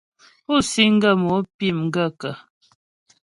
Pú síŋ ghə́ mo pí m gaə̂kə́ ?